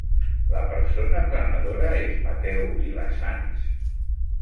La persona prenedora és Mateu Vila Sants?